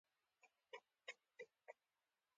د ناستو کسانو پښو ته ځنځيرونه ور لوېدلې و.